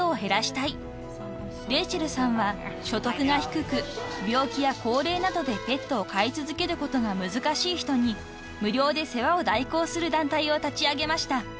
［レイチェルさんは所得が低く病気や高齢などでペットを飼い続けることが難しい人に無料で世話を代行する団体を立ち上げました］